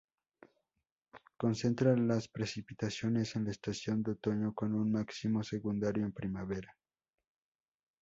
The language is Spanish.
Concentra las precipitaciones en la estación de otoño con un máximo secundario en primavera.